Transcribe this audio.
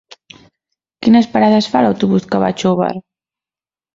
Quines parades fa l'autobús que va a Xóvar?